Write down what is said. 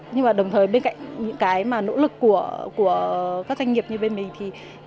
nhưng mà đồng thời bên cạnh những cái nỗ lực của các doanh nghiệp như bên mình